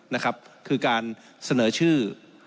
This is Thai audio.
นะครับคือการเสนอชื่อ